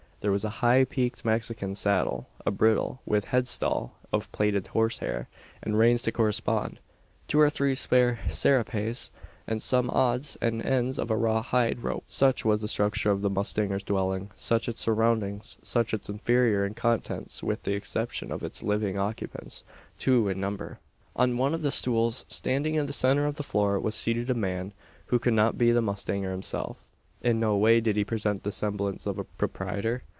There was a high peaked Mexican saddle; a bridle, with headstall of plaited horsehair, and reins to correspond; two or three spare serapes, and some odds and ends of raw hide rope. Such was the structure of the mustanger's dwelling such its surroundings such its interior and contents, with the exception of its living occupants two in number. On one of the stools standing in the centre of the floor was seated a man, who could not be the mustanger himself. In no way did he present the semblance of a proprietor.